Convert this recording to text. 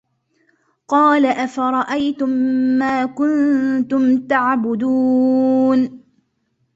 قالَ أَفَرَأَيتُم ما كُنتُم تَعبُدونَ